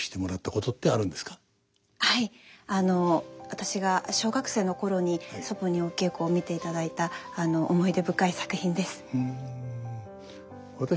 私が小学生の頃に祖母にお稽古を見ていただいた思い出深い作品です。